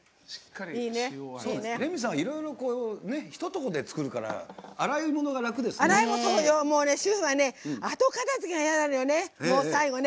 レミさん、いろいろひとところで作るから洗い物が楽ですよね。